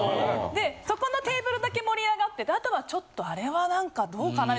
でそこのテーブルだけ盛り上がってあとはちょっとあれは何かどうかな？